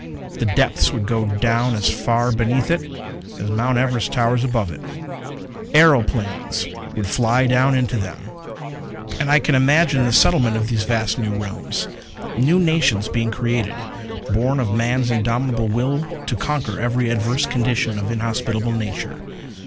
The depths would go down as far beneath it as Mount Everest towers above it. Aeroplanes would fly down into them._ _And I can imagine the settlement of these vast new realms: New little nations being created, born of man's indomitable will to conquer every adverse condition of inhospitable nature.